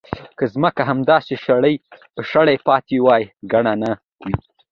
که ځمکې همداسې شاړې پاتې وای ګټه نه وه.